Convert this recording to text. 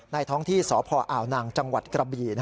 ท้องที่สพอาวนางจังหวัดกระบี่